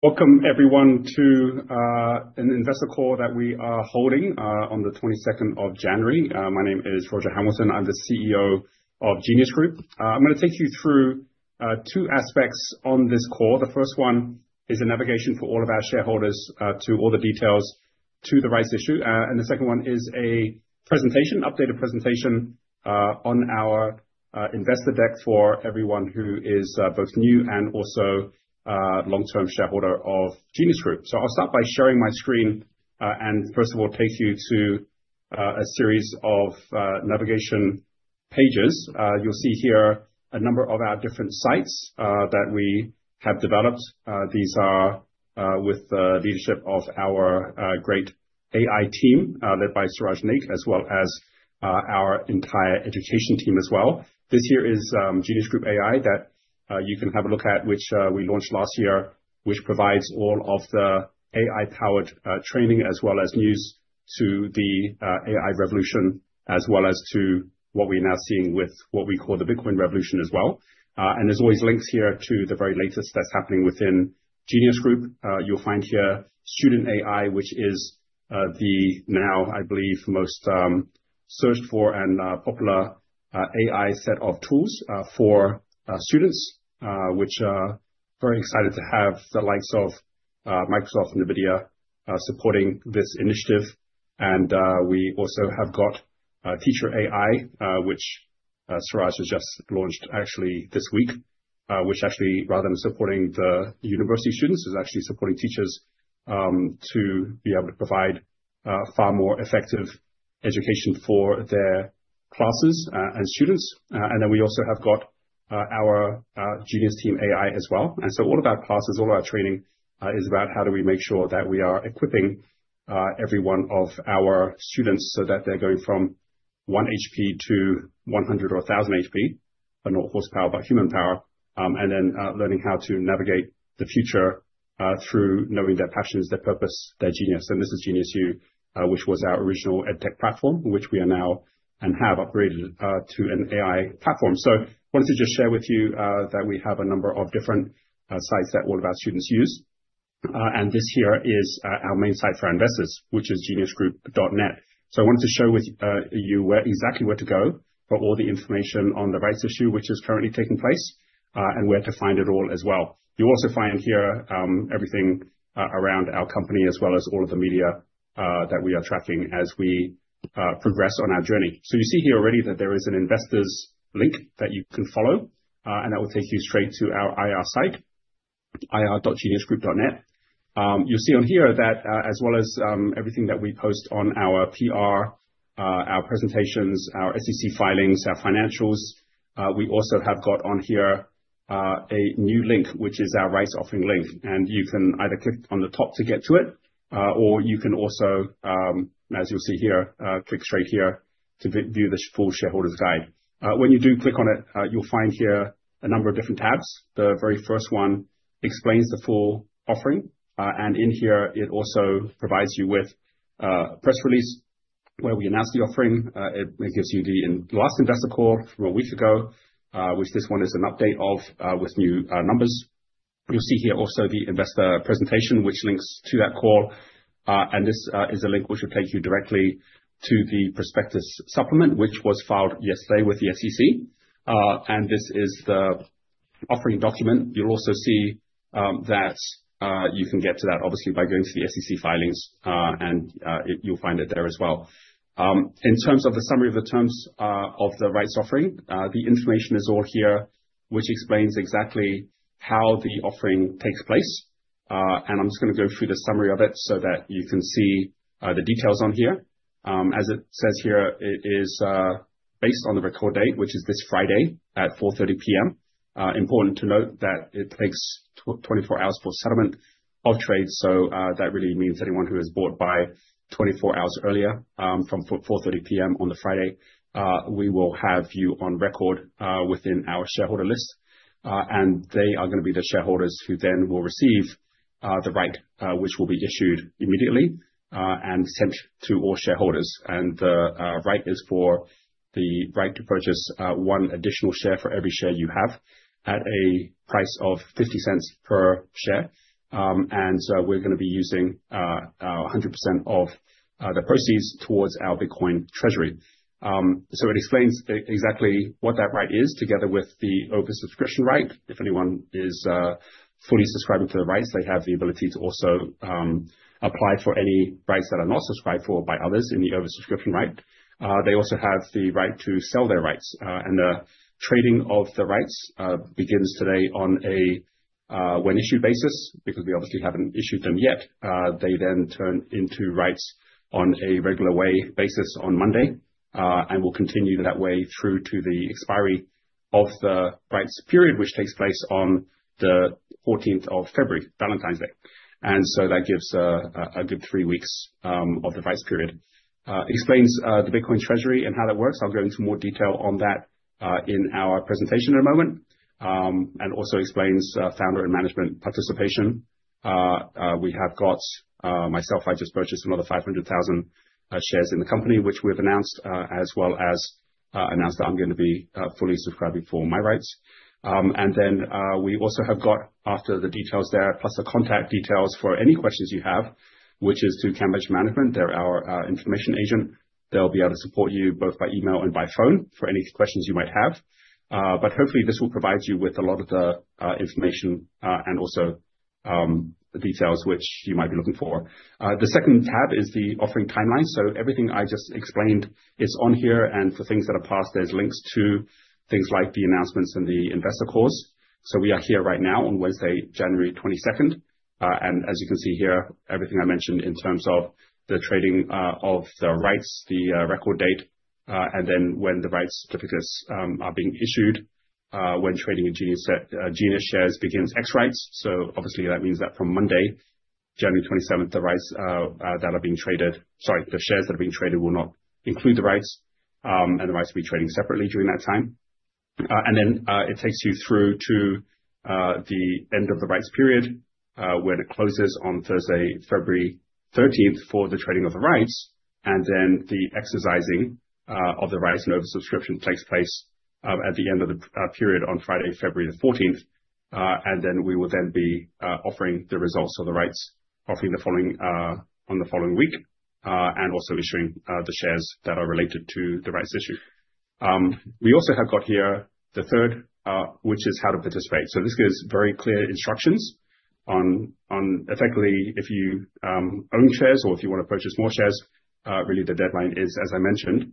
Welcome, everyone to an investor call that we are holding on the 22nd of January. My name is Roger Hamilton. I'm the CEO of Genius Group. I'm going to take you through two aspects on this call. The first one is a navigation for all of our shareholders to all the details to the rights issue, and the second one is an updated presentation on our investor deck for everyone who is both new and also a long-term shareholder of Genius Group. I'll start be sharing my screen, and first of all take you to a series of navigation pages. You'll see here a number of our different sites that we have developed. These are with the leadership of our great AI team led by Suraj Naik, as well as our entire education team as well. This here is Genius Group AI that you can have a look at, which we launched last year, which provides all of the AI-powered training as well as news to the AI revolution, as well as to what we are now seeing with what we call the Bitcoin revolution as well. There's always links here to the very latest that's happening within Genius Group. You'll find here Student AI, which is the now, I believe most searched for and popular AI set of tools for students, which are very excited to have the likes of Microsoft and NVIDIA supporting this initiative. We also have got Teacher AI, which Suraj has just launched actually this week, which actually, rather than supporting the university students, is actually supporting teachers to be able to provide far more effective education for their classes and students. Then we also have got our Genius Team AI as well. All of our classes, all of our training is about, how do we make sure that we are equipping every one of our students so that they're going from one HP to 100 or 1,000 HP, but not horsepower, but human power. Then learning how to navigate the future through knowing their passions, their purpose, their genius. This is GeniusU, which was our original EdTech platform, which we are now and have upgraded to an AI platform. I wanted to just share with you that we have a number of different sites that all of our students use, and this here is our main site for our investors, which is geniusgroup.net. I wanted to show you exactly where to go for all the information on the rights issue, which is currently taking place, and where to find it all as well. You'll also find here everything around our company, as well as all of the media that we are tracking as we progress on our journey. You see here already that there is an investors link that you can follow, and that will take you straight to our IR site, ir.geniusgroup.net. You'll see on here that, as well as everything that we post on our PR, our presentations, our SEC filings, our financials, we also have got on here a new link, which is our rights offering link. You can either click on the top to get to it, or you can also, as you'll see here, click straight here to view the full shareholders' guide. When you do click on it, you'll find here a number of different tabs. The very first one explains the full offering. In here, it also provides you with a press release where we announce the offering. It gives you the last investor call from a week ago, which this one is an update of with new numbers. You'll see here also the investor presentation, which links to that call. This is a link which will take you directly to the prospectus supplement, which was filed yesterday with the SEC. This is the offering document. You'll also see that you can get to that, obviously by going to the SEC filings and you'll find it there as well. In terms of the summary of the terms of the rights offering, the information is all here, which explains exactly how the offering takes place. I'm just going to go through the summary of it so that you can see the details on here. As it says here, it is based on the record date, which is this Friday at 4:30 P.M. Important to note that it takes 24 hours for settlement of trade. That really means anyone who has bought by 24 hours earlier, from 4:30 P.M. on the Friday, we will have you on record within our shareholder list. They are going to be the shareholders who then will receive the right, which will be issued immediately and sent to all shareholders. The right is for the right to purchase one additional share for every share you have at a price of $0.50 per share, and so we're going to be using 100% of the proceeds towards our Bitcoin Treasury. It explains exactly what that right is, together with the oversubscription right. If anyone is fully subscribing to the rights, they have the ability to also apply for any rights that are not subscribed for by others in the oversubscription right. They also have the right to sell their rights. The trading of the rights begins today on a when-issued basis, because we obviously haven't issued them yet. They then turn into rights on a regular way basis on Monday, and will continue that way through to the expiry of the rights period, which takes place on the 14th of February, Valentine's Day. That gives a good three weeks of the rights period. It explains the Bitcoin Treasury and how that works. I'll go into more detail on that in our presentation in a moment. It also explains founder and management participation. We have got, myself, I just purchased another 500,000 shares in the company, which we've announced, as well as announced that I'm going to be fully subscribing for my rights. Then we also have got after the details there, plus the contact details for any questions you have, which is to Cambridge Management, they're our information agent. They'll be able to support you both by email and by phone for any questions you might have. Hopefully, this will provide you with a lot of the information, and also the details which you might be looking for. The second tab is the offering timeline. Everything I just explained is on here. For things that are past, there's links to things like the announcements and the investor calls. We are here right now on Wednesday, January 22nd. As you can see here, everything I mentioned in terms of the trading of the rights, the record date, and then when the rights typically are being issued, when trading in Genius shares begins ex-rights. Obviously, that means that from Monday, January 27th, the shares that are being traded will not include the rights. The rights will be trading separately during that time. Then it takes you through to the end of the rights period when it closes on Thursday, February 13th for the trading of the rights. Then the exercising of the rights, and oversubscription takes place at the end of the period on Friday, February the 14th. Then we will then be offering the results of the rights offering on the following week, and also issuing the shares that are related to the rights issue. We also have got here the third, which is how to participate. This gives very clear instructions on, effectively, if you own shares or if you want to purchase more shares, really, the deadline is, as I mentioned,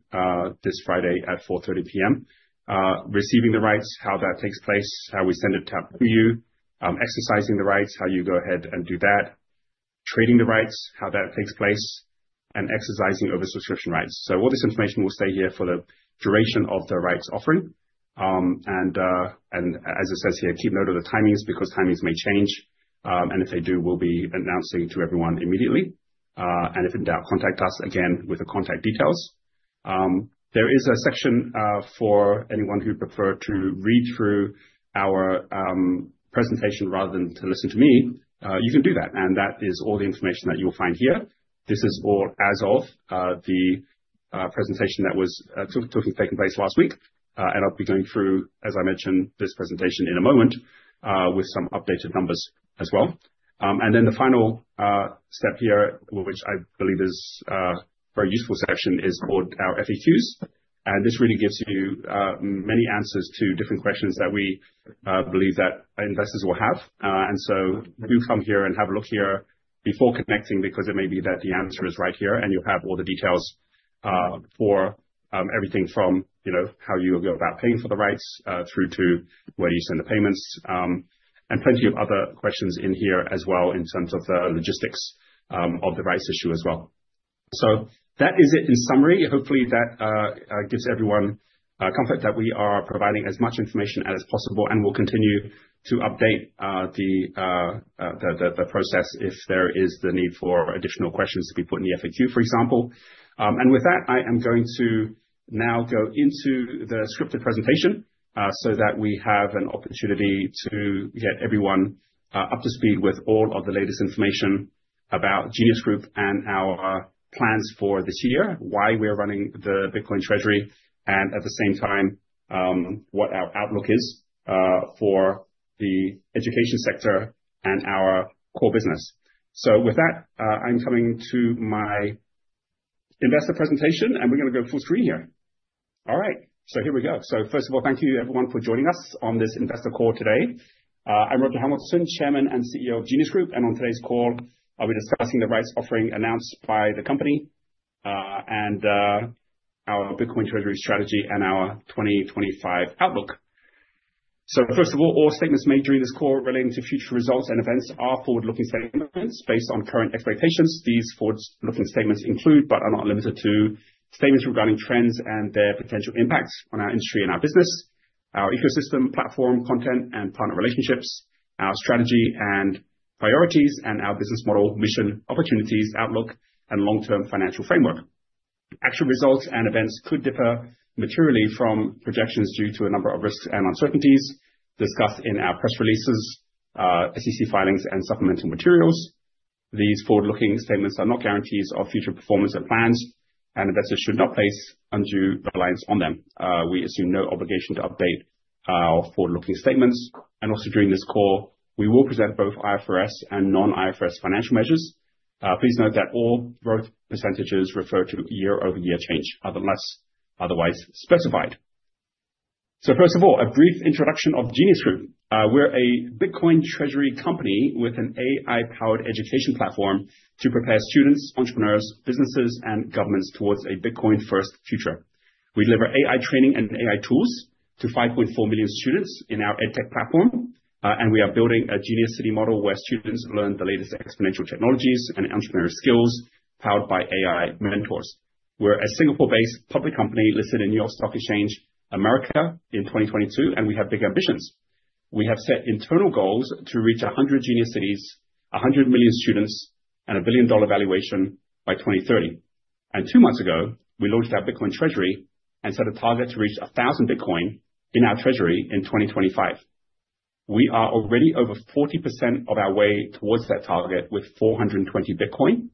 this Friday at 4:30 P.M., receiving the rights, how that takes place, how we send it to you, exercising the rights, how you go ahead and do that, trading the rights, how that takes place, and exercising oversubscription rights. All this information will stay here for the duration of the rights offering. As it says here, take note of the timings because timings may change. If they do, we will be announcing to everyone immediately. If in doubt, contact us again with the contact details. There is a section for anyone who'd prefer to read through our presentation rather than to listen to me. You can do that. That is all the information that you'll find here. This is all as of the presentation that was taking place last week. I'll be going through, as I mentioned, this presentation in a moment, with some updated numbers as well. The final step here, which I believe is a very useful section, is called our FAQs. This really gives you many answers to different questions that we believe that investors will have. Do come here and have a look here before connecting because it may be that the answer is right here, and you'll have all the details for everything from how you'll go about paying for the rights through to where do you send the payments? Plenty of other questions in here as well in terms of the logistics of the rights issue as well. That is it in summary. Hopefully, that gives everyone comfort that we are providing as much information as possible, and will continue to update the process if there is the need for additional questions to be put in the FAQ, for example. With that, I am going to now go into the scripted presentation, so that we have an opportunity to get everyone up to speed with all of the latest information about Genius Group and our plans for this year, why we're running the Bitcoin Treasury, and at the same time, what our outlook is for the education sector and our core business. With that, I'm coming to my investor presentation, and we're going to go full screen here. All right, so here we go. First of all, thank you everyone for joining us on this investor call today. I'm Roger Hamilton, Chairman and CEO of Genius Group. On today's call, I'll be discussing the rights offering announced by the company, and our Bitcoin Treasury strategy and our 2025 outlook. First of all, all statements made during this call relating to future results and events are forward-looking statements, based on current expectations. These forward-looking statements include, but are not limited to, statements regarding trends and their potential impacts on our industry and our business, our ecosystem platform content and partner relationships, our strategy and priorities, and our business model, mission, opportunities, outlook, and long-term financial framework. Actual results and events could differ materially from projections due to a number of risks, and uncertainties discussed in our press releases, SEC filings, and supplemental materials. These forward-looking statements are not guarantees of future performance and plans, and investors should not place undue reliance on them. We assume no obligation to update our forward-looking statements. Also, during this call, we will present both IFRS and non-IFRS financial measures. Please note that all growth percentages refer to year-over-year change, otherwise specified. First of all, a brief introduction of Genius Group. We're a Bitcoin Treasury company with an AI-powered education platform to prepare students, entrepreneurs, businesses, and governments towards a Bitcoin-first future. We deliver AI training and AI tools to 5.4 million students in our EdTech platform. We are building a Genius City Model, where students learn the latest exponential technologies and entrepreneurial skills powered by AI mentors. We're a Singapore-based public company listed on the New York Stock Exchange, American in 2022, and we have big ambitions. We have set internal goals to reach 100 Genius Cities, 100 million students, and a $1 billion valuation by 2030. Two months ago, we launched our Bitcoin treasury and set a target to reach 1,000 Bitcoin in our treasury in 2025. We are already over 40% of our way towards that target with 420 Bitcoin.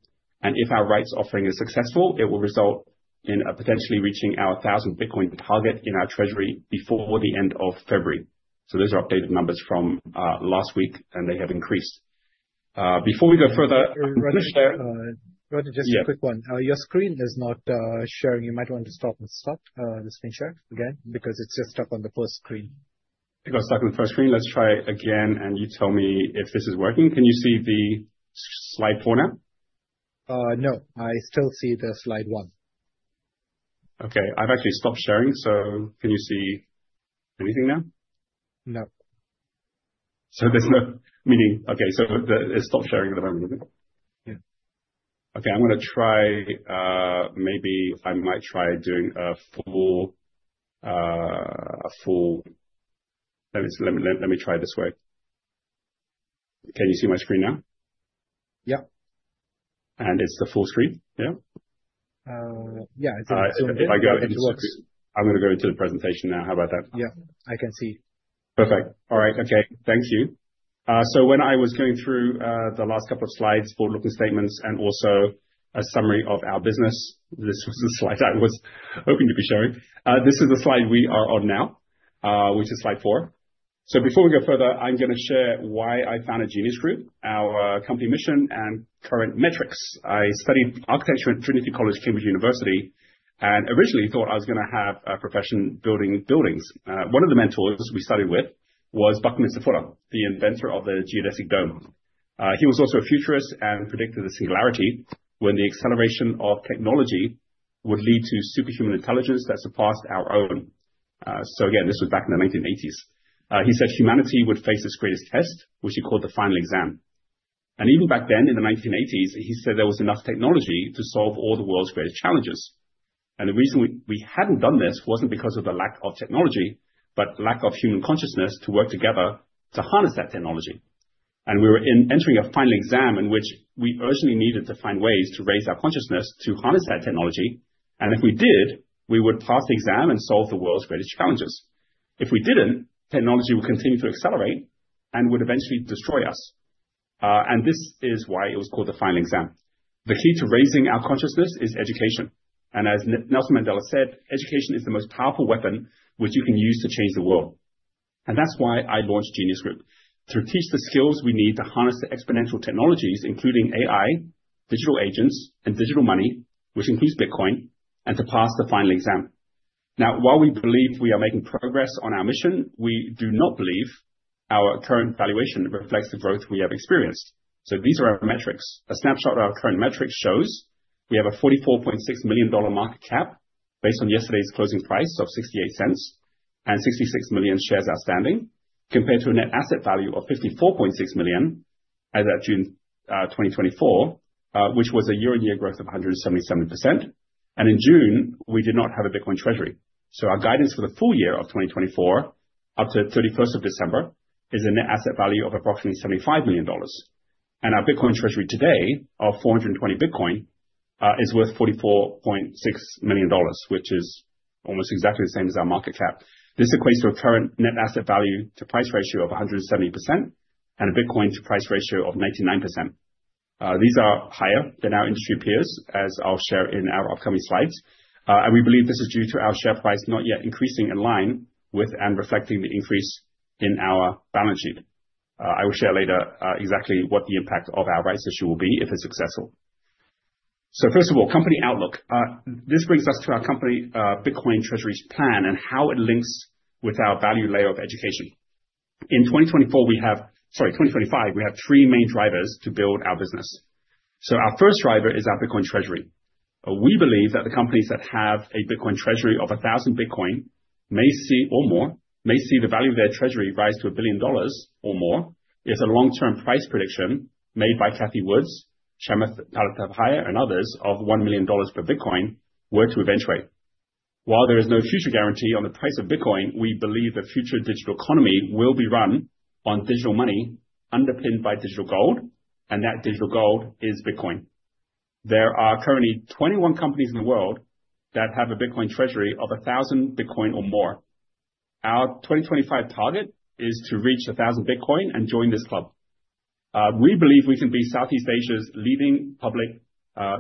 If our rights offering is successful, it will result in potentially reaching our 1,000 Bitcoin target in our treasury before the end of February. Those are updated numbers from last week, and they have increased. Roger, just a quick one. Your screen is not sharing. You might want to stop the screen share again because it's just stuck on the first screen. It got stuck on the first screen. Let's try again, and you tell me if this is working. Can you see the slide four now? No, I still see the slide one. Okay, I've actually stopped sharing. Can you see anything now? No. Okay, it's stopped sharing at the moment, isn't it? Yeah. Okay, let me try this way. Can you see my screen now? Yep. It's the full screen, yeah? Yeah. I'm going to go into the presentation now. How about that? Yeah, I can see. Perfect, all right. Okay, thank you. When I was going through the last couple of slides, forward-looking statements, and also a summary of our business, this was the slide I was hoping to be showing. This is the slide we are on now, which is slide four. Before we go further, I'm going to share why I founded Genius Group, our company mission and current metrics. I studied architecture at Trinity College, Cambridge University, and originally thought I was going to have a profession building buildings. One of the mentors we studied with was Buckminster Fuller, the inventor of the geodesic dome. He was also a futurist, and predicted the singularity when the acceleration of technology would lead to superhuman intelligence that surpassed our own. Again, this was back in the 1980s. He said humanity would face its greatest test, which he called the Final Exam. Even back then in the 1980s, he said there was enough technology to solve all the world's greatest challenges. The reason we hadn't done this wasn't because of the lack of technology, but lack of human consciousness to work together to harness that technology. We were entering a Final Exam in which we urgently needed to find ways to raise our consciousness to harness that technology. If we did, we would pass the exam and solve the world's greatest challenges. If we didn't, technology would continue to accelerate and would eventually destroy us. This is why it was called the Final Exam. The key to raising our consciousness is education. As Nelson Mandela said, education is the most powerful weapon which you can use to change the world. That's why I launched Genius Group, to teach the skills we need to harness the exponential technologies, including AI, digital agents, and digital money, which includes Bitcoin, and to pass the final exam. Now, while we believe we are making progress on our mission, we do not believe our current valuation reflects the growth we have experienced, so these are our metrics. A snapshot of our current metrics shows we have a $44.6 million market cap based on yesterday's closing price of $0.68, and 66 million shares outstanding, compared to a net asset value of $54.6 million as of June 2024, which was a year-on-year growth of 177%. In June, we did not have a Bitcoin Treasury. Our guidance for the full year of 2024, up to 31st of December, is a net asset value of approximately $75 million. Our Bitcoin Treasury today of 420 Bitcoin is worth $44.6 million, which is almost exactly the same as our market cap. This equates to a current net asset value-to-price ratio of 170% and a Bitcoin-to-price ratio of 99%. These are higher than our industry peers, as I'll share in our upcoming slides. We believe this is due to our share price not yet increasing in line with and reflecting the increase in our balance sheet. I will share later exactly what the impact of our rights issue will be if it's successful. First of all, company outlook. This brings us to our company Bitcoin Treasury's plan, and how it links with our value layer of education. In 2025, we have three main drivers to build our business. Our first driver is our Bitcoin Treasury. We believe that the companies that have a Bitcoin Treasury of 1,000 Bitcoin or more, may see the value of their treasury rise to a billion dollars or more, if the long-term price prediction made by Cathie Wood, Chamath Palihapitiya, and others, of $1 million per Bitcoin were to eventuate. While there is no future guarantee on the price of Bitcoin, we believe the future digital economy will be run on digital money underpinned by digital gold, and that digital gold is Bitcoin. There are currently 21 companies in the world that have a Bitcoin Treasury of 1,000 Bitcoin or more. Our 2025 target is to reach 1,000 Bitcoin and join this club. We believe we can be Southeast Asia's leading public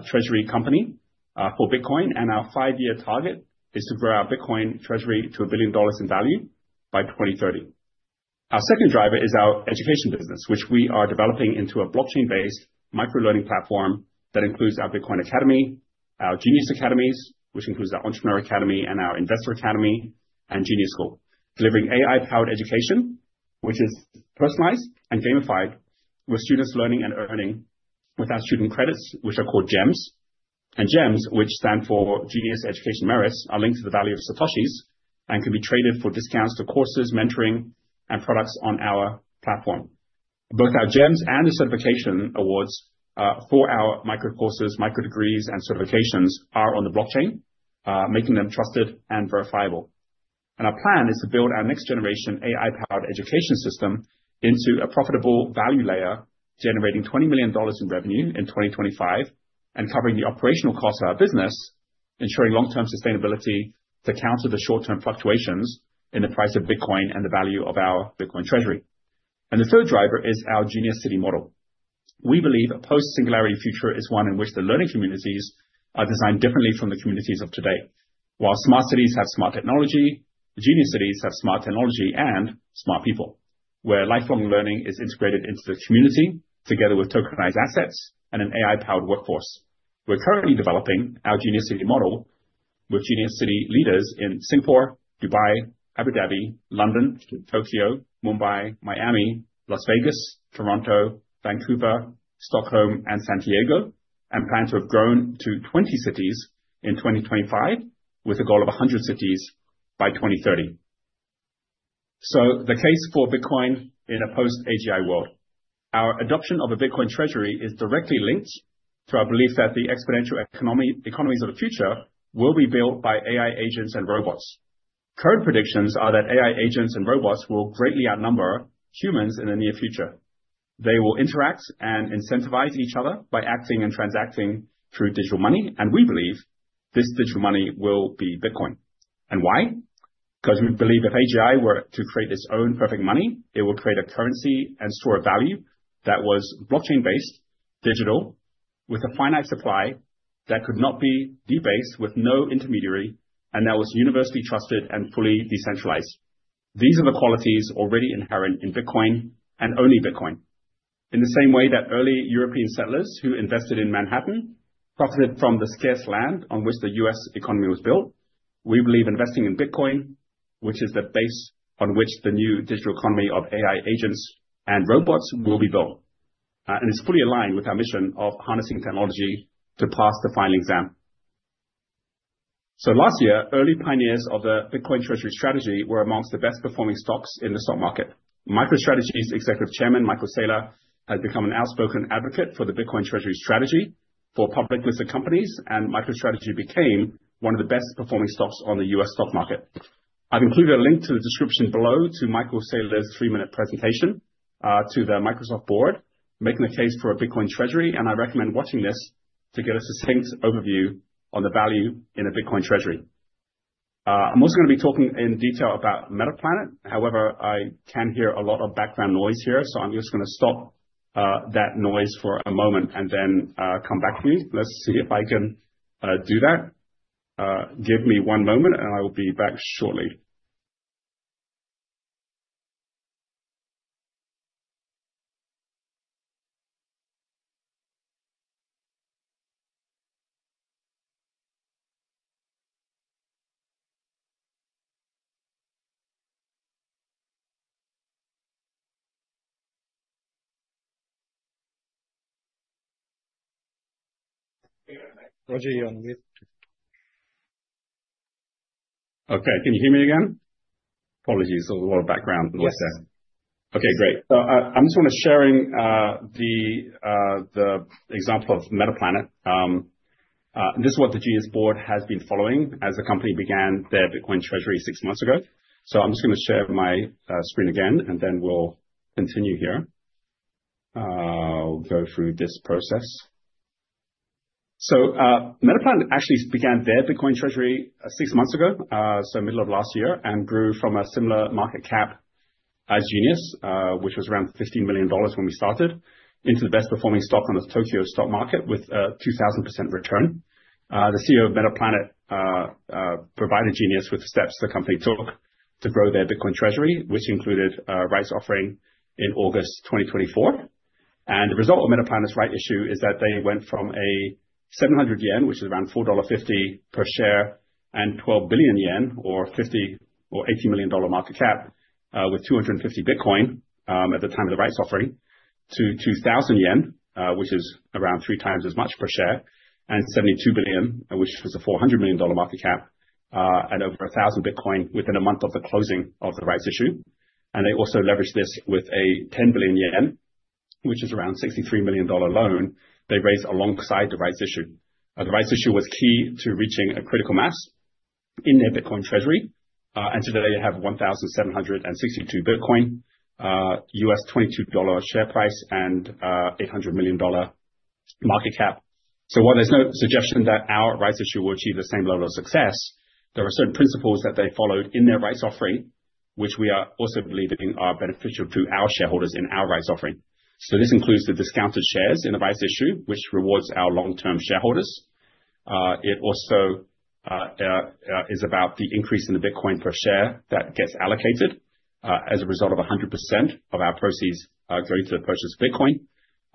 treasury company for Bitcoin, and our five-year target is to grow our Bitcoin Treasury to $1 billion in value by 2030. Our second driver is our education business, which we are developing into a blockchain-based micro-learning platform that includes our Bitcoin Academy, our Genius Academies, which includes our Entrepreneur Academy, and our Investor Academy, and Genius School. Delivering AI-powered education, which is personalized and gamified, with students learning and earning with our student credits, which are called GEMs. GEMs, which stand for Genius Education Merits, are linked to the value of Satoshis and can be traded for discounts to courses, mentoring, and products on our platform. Both our GEMs and the certification awards for our micro-courses, micro-degrees, and certifications are on the blockchain, making them trusted and verifiable. Our plan is to build our next-generation AI-powered education system into a profitable value layer, generating $20 million in revenue in 2025 and covering the operational costs of our business, ensuring long-term sustainability to counter the short-term fluctuations in the price of Bitcoin and the value of our Bitcoin Treasury. The third driver is our Genius City model. We believe a post-singularity future is one in which the learning communities are designed differently from the communities of today. While smart cities have smart technology, Genius Cities have smart technology and smart people, where lifelong learning is integrated into the community, together with tokenized assets and an AI-powered workforce. We're currently developing our Genius City model with Genius City leaders in Singapore, Dubai, Abu Dhabi, London, Tokyo, Mumbai, Miami, Las Vegas, Toronto, Vancouver, Stockholm, and San Diego, and plan to have grown to 20 cities in 2025, with a goal of 100 cities by 2030. The case for Bitcoin in a post-AGI world. Our adoption of a Bitcoin Treasury is directly linked to our belief that the exponential economies of the future will be built by AI agents and robots. Current predictions are that AI agents and robots will greatly outnumber humans in the near future. They will interact and incentivize each other by acting and transacting through digital money, and we believe this digital money will be Bitcoin, and why? Because we believe if AGI were to create its own perfect money, it would create a currency and store of value that was blockchain-based, digital, with a finite supply that could not be debased with no intermediary, and that was universally trusted and fully decentralized. These are the qualities already inherent in Bitcoin and only Bitcoin. In the same way that early European settlers who invested in Manhattan profited from the scarce land on which the U.S. economy was built, we believe investing in Bitcoin, which is the base on which the new digital economy of AI agents and robots will be built. It's fully aligned with our mission of harnessing technology to pass the Final Exam, so last year, early pioneers of the Bitcoin Treasury strategy were among the best-performing stocks in the stock market. MicroStrategy's Executive Chairman, Michael Saylor, has become an outspoken advocate for the Bitcoin Treasury strategy for public-listed companies, and MicroStrategy became one of the best-performing stocks on the U.S. stock market. I've included a link to the description below to Michael Saylor's three-minute presentation to the Microsoft Board, making the case for a Bitcoin Treasury. I recommend watching this, to get a succinct overview on the value in a Bitcoin Treasury. I'm also going to be talking in detail about Metaplanet. However, I can hear a lot of background noise here, so I'm just going to stop that noise for a moment and then come back to you. Let's see if I can do that. Give me one moment, and I will be back shortly. Roger, you're on mute. Okay, can you hear me again? Apologies, there was a lot of background noise there. Yeah. Okay, great. I'm just going to be sharing the example of Metaplanet. This is what the Genius Board has been following as the company began their Bitcoin Treasury six months ago. I'm just going to share my screen again, and then we'll continue here. I'll go through this process. Metaplanet actually began their Bitcoin Treasury six months ago, so middle of last year, and grew from a similar market cap as Genius, which was around $15 million when we started, into the best-performing stock on the Tokyo stock market with a 2,000% return. The CEO of Metaplanet provided Genius with the steps the company took to grow their Bitcoin Treasury, which included a rights offering in August 2024. The result of Metaplanet's rights issue is that they went from 700 yen, which is around $4.50 per share, and 12 billion yen, or a $80 million market cap with 250 Bitcoin at the time of the rights offering, to 2,000 yen, which is around 3x as much per share, and 72 billion, which was a $400 million market cap, and over 1,000 Bitcoin within a month of the closing of the rights issue. They also leveraged this with 10 billion yen, which is around a $63 million loan they raised alongside the rights issue. The rights issue was key to reaching a critical mass in their Bitcoin Treasury. Today, they have 1,762 Bitcoin, $22 share price, and $800 million market cap. While there's no suggestion that our rights issue will achieve the same level of success, there are certain principles that they followed in their rights offering, which we are also believing are beneficial to our shareholders in our rights offering. This includes the discounted shares in the rights issue, which rewards our long-term shareholders. It also is about the increase in the Bitcoin per share, that gets allocated as a result of 100% of our proceeds going to the purchase of Bitcoin.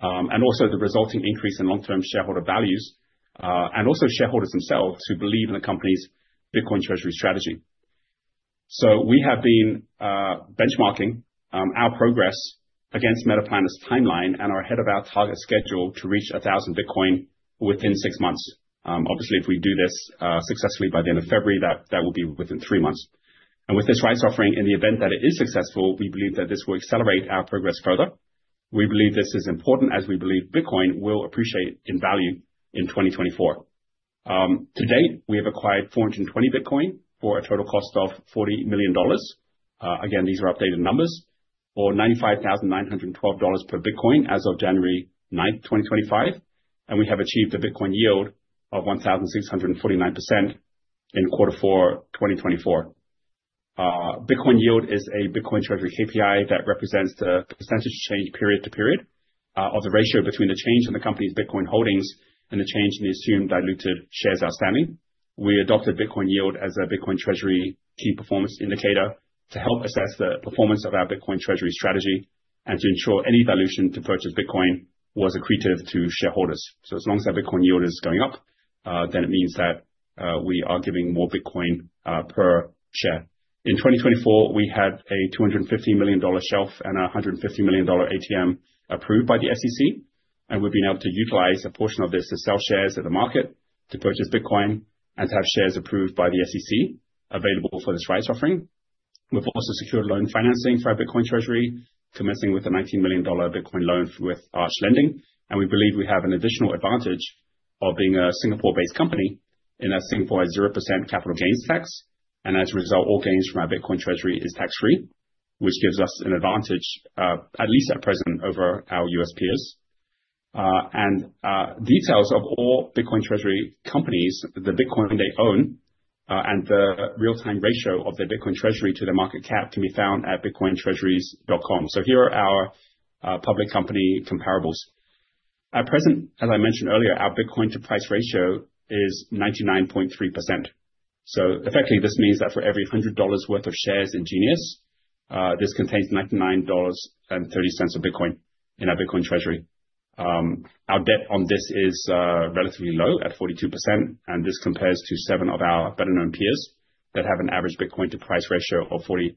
Also, the resulting increase in long-term shareholder values, and also shareholders themselves who believe in the company's Bitcoin Treasury strategy. We have been benchmarking our progress against Metaplanet's timeline, and are ahead of our target schedule to reach 1,000 Bitcoin within six months. Obviously, if we do this successfully by the end of February, that will be within three months. With this rights offering, in the event that it is successful, we believe that this will accelerate our progress further. We believe this is important, as we believe Bitcoin will appreciate in value in 2024. To date, we have acquired 420 Bitcoin for a total cost of $40 million. Again, these are updated numbers, or $95,912 per Bitcoin as of January 9th, 2025. We have achieved a Bitcoin yield of 1,649% in quarter four, 2024. Bitcoin yield is a Bitcoin Treasury KPI that represents the percentage change period to period of the ratio between the change in the company's Bitcoin holdings, and the change in the assumed diluted shares outstanding. We adopted Bitcoin yield as a Bitcoin Treasury key performance indicator, to help assess the performance of our Bitcoin Treasury strategy and to ensure any dilution to purchase Bitcoin was accretive to shareholders. As long as our Bitcoin yield is going up, then it means that we are giving more Bitcoin per share. In 2024, we had a $250 million shelf and a $150 million ATM approved by the SEC. We've been able to utilize a portion of this to sell shares at the market, to purchase Bitcoin, and to have shares approved by the SEC available for this rights offering. We've also secured loan financing for our Bitcoin Treasury, commencing with a $19 million Bitcoin loan with Arch Lending. We believe we have an additional advantage of being a Singapore-based company, in that Singapore has 0% capital gains tax. As a result, all gains from our Bitcoin Treasury is tax-free, which gives us an advantage, at least at present, over our U.S. peers. Details of all Bitcoin Treasury companies, the Bitcoin they own, and the real-time ratio of their Bitcoin Treasury to their market cap can be found at bitcointreasuries.com. Here are our public company comparables. At present, as I mentioned earlier, our Bitcoin to price ratio is 99.3%. Effectively, this means that for every $100 worth of shares in Genius, this contains $99.30 of Bitcoin in our Bitcoin Treasury. Our debt on this is relatively low at 42%, and this compares to seven of our better-known peers that have an average Bitcoin to price ratio of 43%,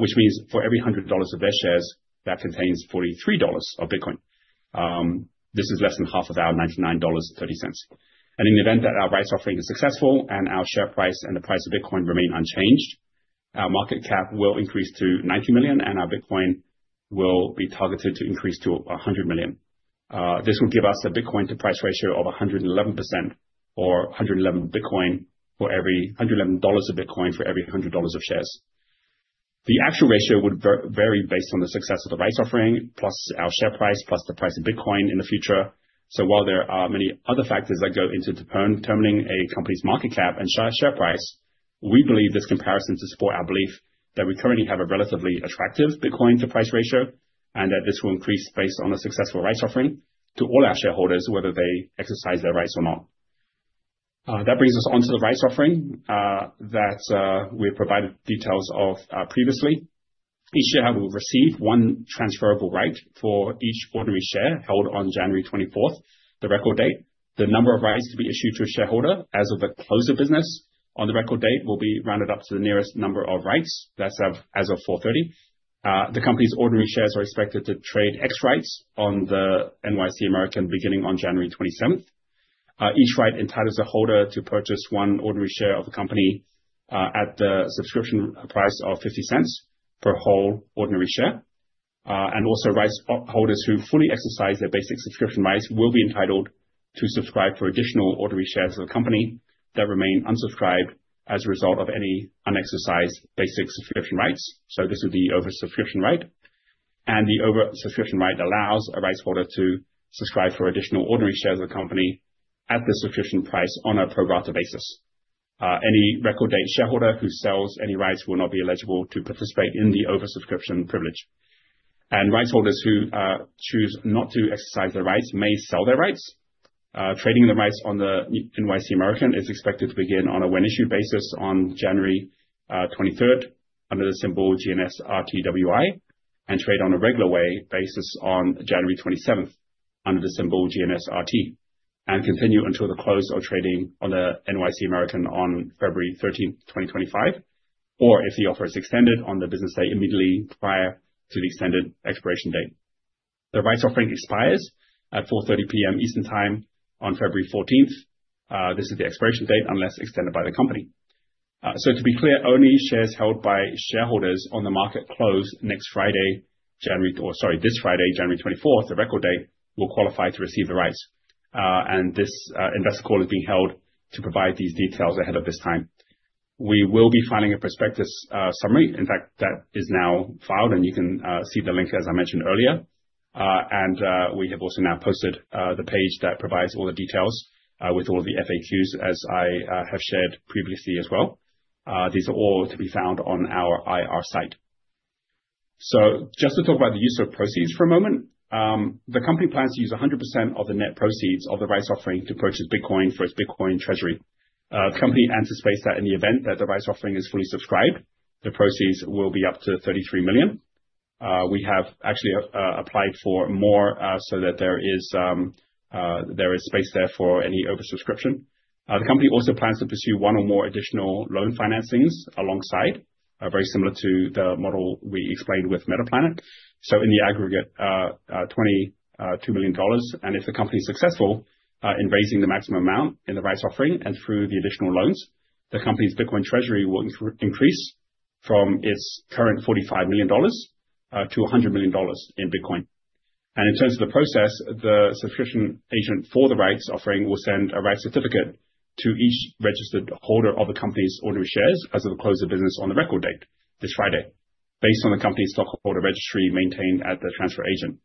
which means for every $100 of their shares, that contains $43 of Bitcoin. This is less than half of our $99.30. In the event that our rights offering is successful and our share price and the price of Bitcoin remain unchanged, our market cap will increase to $90 million and our Bitcoin will be targeted to increase to $100 million. This will give us a Bitcoin-to price ratio of 111%, or 111 Bitcoin for every $111 of Bitcoin for every $100 of shares. The actual ratio would vary based on the success of the rights offering, plus our share price, plus the price of Bitcoin in the future. While there are many other factors that go into determining a company's market cap and share price, we believe this comparison to support our belief that we currently have a relatively attractive Bitcoin-to-price ratio. That this will increase based on a successful rights offering to all our shareholders, whether they exercise their rights or not. That brings us on to the rights offering that we have provided details of previously. Each shareholder will receive one transferable right for each ordinary share held on January 24th, the record date. The number of rights to be issued to a shareholder as of the close of business on the record date will be rounded up to the nearest number of rights, that's as of 4:30 P.M. The company's ordinary shares are expected to trade ex-rights on the NYSE American beginning on January 27. Each right entitles a holder to purchase one ordinary share of the company, at the subscription price of $0.50 per whole ordinary share. Rights holders who fully exercise their basic subscription rights will be entitled to subscribe for additional ordinary shares of the company, that remain unsubscribed as a result of any unexercised basic subscription rights. This would be oversubscription right. The oversubscription right allows a rights holder to subscribe for additional ordinary shares of a company, at the subscription price on a pro rata basis. Any record date shareholder who sells any rights will not be eligible to participate in the oversubscription privilege. Rights holders who choose not to exercise their rights may sell their rights. Trading the rights on the NYSE American is expected to begin on a when-issued basis on January 23rd under the symbol GNS RTWI and trade on a regular way basis on January 27 under the symbol GNS RT and continue until the close of trading on the NYSE American on February 13th, 2025, or if the offer is extended on the business day immediately prior to the extended expiration date. The rights offering expires at 4:30 P.M. Eastern Time on February 14. This is the expiration date unless extended by the company. To be clear, only shares held by shareholders on the market close this Friday, January 24th, the record day, will qualify to receive the rights. This investor call is being held to provide these details ahead of this time. We will be filing a prospectus summary. In fact, that is now filed, and you can see the link, as I mentioned earlier. We have also now posted the page that provides all the details with all of the FAQs, as I have shared previously as well. These are all to be found on our IR site. Just to talk about the use of proceeds for a moment, the company plans to use 100% of the net proceeds of the rights offering to purchase Bitcoin for its Bitcoin Treasury. The company anticipates that in the event that the rights offering is fully subscribed, the proceeds will be up to $33 million. We have actually applied for more, so that there is space there for any oversubscription. The company also plans to pursue one or more additional loan financings alongside, very similar to the model we explained with Metaplanet. In the aggregate, $22 million, and if the company is successful in raising the maximum amount in the rights offering and through the additional loans, the company's Bitcoin Treasury will increase from its current $45 million to $100 million in Bitcoin. In terms of the process, the subscription agent for the rights offering will send a rights certificate to each registered holder of the company's ordinary shares, as of the close of business on the record date this Friday, based on the company's stockholder registry maintained at the transfer agent.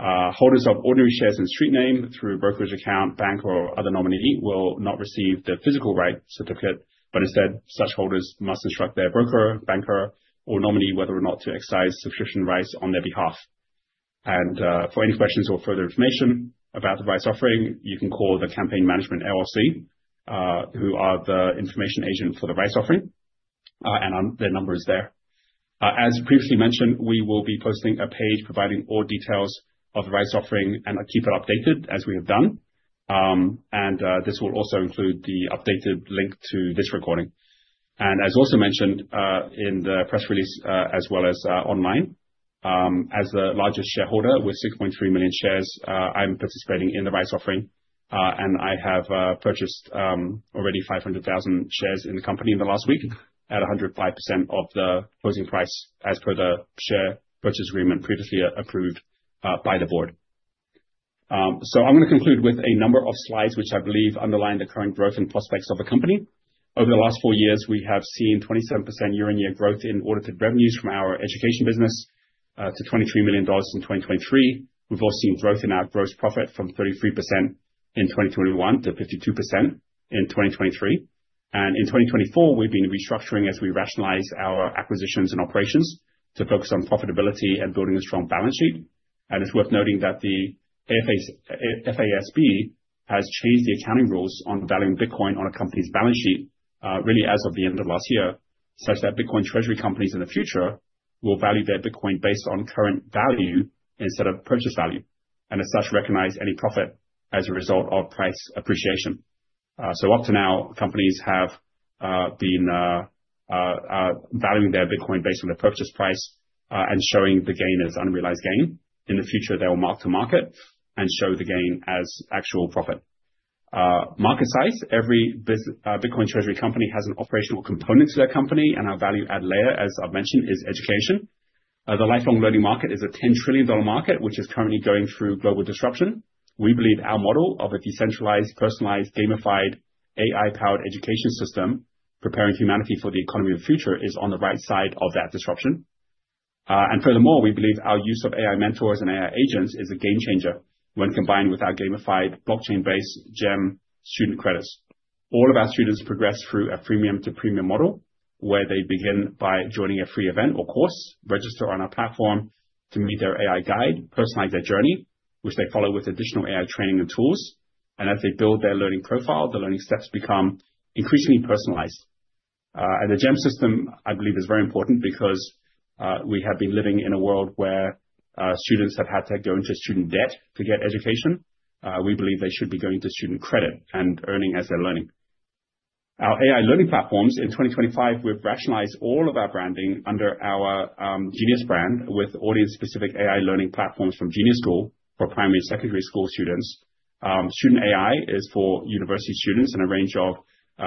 Holders of ordinary shares in street name through a brokerage account, bank, or other nominee will not receive the physical rights certificate, but instead, such holders must instruct their broker, banker, or nominee whether or not to exercise subscription rights on their behalf. For any questions or further information about the rights offering, you can call the Cambridge Management LLC, who are the information agent for the rights offering. Their number is there. As previously mentioned, we will be posting a page providing all details of the rights offering and keep it updated as we have done. This will also include the updated link to this recording. As also mentioned in the press release as well as online, as the largest shareholder with 6.3 million shares, I'm participating in the rights offering. I have purchased already 500,000 shares in the company in the last week, at 105% of the closing price as per the share purchase agreement previously approved by the board. I'm going to conclude with a number of slides, which I believe underline the current growth and prospects of the company. Over the last four years, we have seen 27% year-on-year growth in audited revenues from our education business to $23 million in 2023. We've also seen growth in our gross profit from 33% in 2021 to 52% in 2023. In 2024, we've been restructuring as we rationalize our acquisitions and operations, to focus on profitability and building a strong balance sheet. It's worth noting that the FASB has changed the accounting rules on valuing Bitcoin on a company's balance sheet really as of the end of last year, such that Bitcoin Treasury companies in the future will value their Bitcoin based on current value instead of purchase value, and as such recognize any profit as a result of price appreciation. Up to now, companies have been valuing their Bitcoin based on their purchase price, and showing the gain as unrealized gain. In the future, they will mark to market and show the gain as actual profit. Market size, every Bitcoin Treasury company has an operational component to their company, and our value add layer, as I've mentioned, is education. The lifelong learning market is a $10 trillion market, which is currently going through global disruption. We believe our model of a decentralized, personalized, gamified, AI-powered education system preparing humanity for the economy of the future is on the right side of that disruption. Furthermore, we believe our use of AI mentors and AI agents is a game-changer, when combined with our gamified blockchain-based GEM student credits. All of our students progress through a freemium-to-premium model, where they begin by joining a free event or course, register on our platform to meet their AI guide, personalize their journey, which they follow with additional AI training and tools. As they build their learning profile, the learning steps become increasingly personalized. The GEM system, I believe is very important because we have been living in a world where students have had to go into student debt to get education. We believe they should be going to student credit and earning as they're learning. Our AI learning platforms in 2025, we've rationalized all of our branding under our Genius brand, with audience-specific AI learning platforms from Genius School for primary and secondary school students. Student AI is for university students, and a range of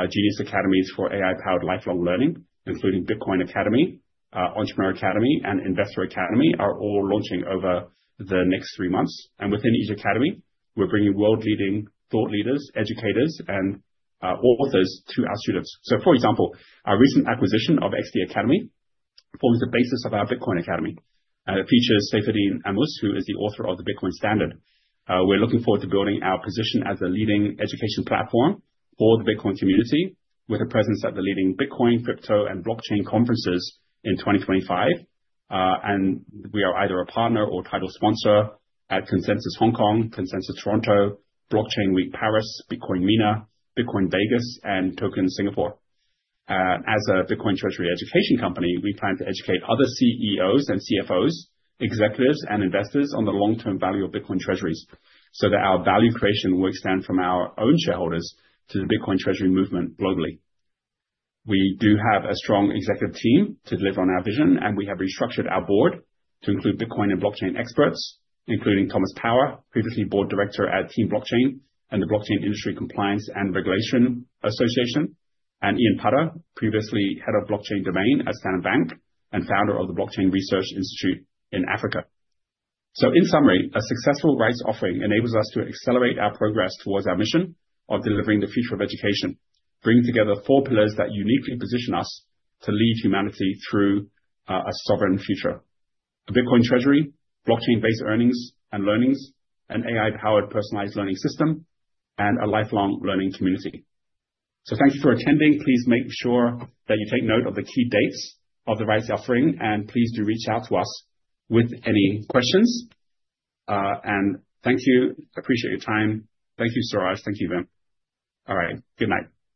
Genius academies for AI-powered lifelong learning, including Bitcoin Academy, Entrepreneur Academy, and Investor Academy, are all launching over the next three months. Within each academy, we're bringing world-leading thought leaders, educators, and authors to our students. For example, our recent acquisition of XD Academy forms the basis of our Bitcoin Academy. It features Saifedean Ammous, who is the author of The Bitcoin Standard. We're looking forward to building our position as a leading education platform for the Bitcoin community, with a presence at the leading Bitcoin, crypto, and blockchain conferences in 2025. We are either a partner or title sponsor at Consensus Hong Kong, Consensus Toronto, Blockchain Week Paris, Bitcoin, Bitcoin Vegas, and Token Singapore. As a Bitcoin Treasury education company, we plan to educate other CEOs and CFOs, executives, and investors on the long-term value of Bitcoin treasuries, so that our value creation will extend from our own shareholders to the Bitcoin Treasury movement globally. We do have a strong executive team to deliver on our vision, and we have restructured our board to include Bitcoin and blockchain experts, including Thomas Power, previously board director at Team Blockchain and the Blockchain Industry Compliance and Regulation Association, and Ian Putter, previously Head of Blockchain Domain at Standard Bank and founder of the Blockchain Research Institute in Africa. In summary, a successful rights offering enables us to accelerate our progress towards our mission of delivering the future of education. Bringing together four pillars that uniquely position us to lead humanity through a sovereign future, a Bitcoin Treasury, blockchain-based earnings and learnings, an AI-powered personalized learning system, and a lifelong learning community. Thank you for attending. Please make sure that you take note of the key dates of the rights offering, and please do reach out to us with any questions. Thank you. Appreciate your time. Thank you, Suraj. Thank you, Vim. All right, good night.